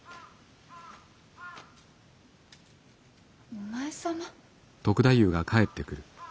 お前様？